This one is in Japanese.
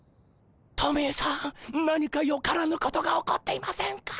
トミーさん何かよからぬことが起こっていませんか？